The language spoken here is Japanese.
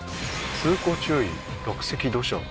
「通行注意落石土砂」